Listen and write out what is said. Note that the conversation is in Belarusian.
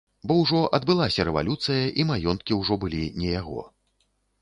Бо ўжо адбылася рэвалюцыя і маёнткі ўжо былі не яго.